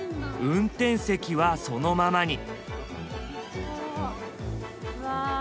運転席はそのままに。